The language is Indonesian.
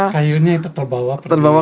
kayunya itu terbawa